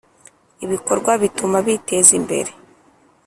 ibikorwa bituma biteza imbere